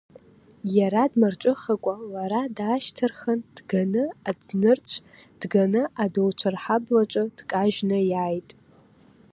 Иара дмырҿыхакәа лара даашьҭырхын, дганы аӡырш нырцә дганы, адауцәа рҳаблаҿы дкажьны иааит.